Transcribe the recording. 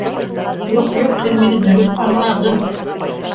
— Юҡ-юҡ, һеҙ мине дөрөҫ аңлағыҙ